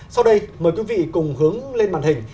sau đây mời quý vị cùng hướng lên màn hình